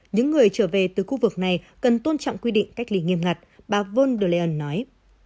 những người trở về từ khu vực này cần tôn trọng quy định cách ly nghiêm ngặt bà von der leyen nói